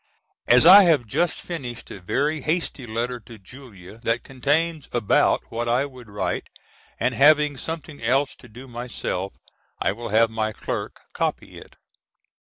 As I have just finished a very hasty letter to Julia that contains about what I would write, and having something else to do myself, I will have my clerk copy it.